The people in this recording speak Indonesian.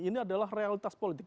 ini adalah realitas politik